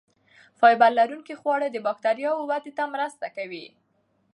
فایبر لرونکي خواړه د بکتریاوو ودې ته مرسته کوي.